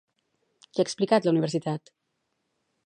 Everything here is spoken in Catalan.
Què ha explicat la Universitat?